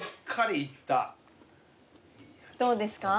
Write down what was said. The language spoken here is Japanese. どうですか？